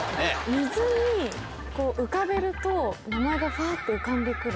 水に浮かべると名前がふわって浮かんで来る。